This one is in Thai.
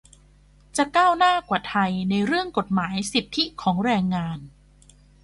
จะก้าวหน้ากว่าไทยในเรื่องกฎหมายสิทธิของแรงงาน